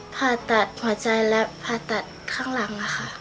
ผ่าตัดหัวใจและผ่าตัดข้างหลังค่ะ